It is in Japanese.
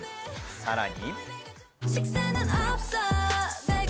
さらに。